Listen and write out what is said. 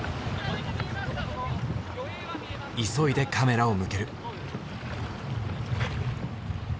急いでカメラを向ける。